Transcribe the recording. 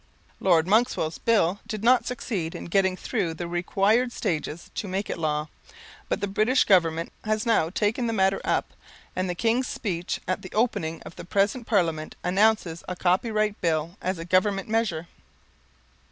Lord Monkswell's bill did not succeed in getting through the required stages to make it law, but the British Government has now taken the matter up, and the King's speech at the opening of the present Parliament announces a copyright bill as a Government measure.